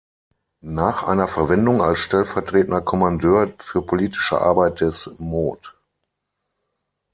Nach einer Verwendung als Stellvertretender Kommandeur für Politische Arbeit des Mot.